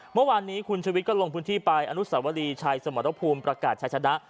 เมื่อวานนี้คุณชุวิตก็ลงพื้นที่ไปอนุสวรีชัยสมรภูมิประกาศชายชนะ